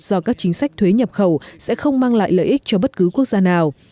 do các chính sách thuế nhập khẩu sẽ không mang lại lợi ích cho bất cứ quốc gia nào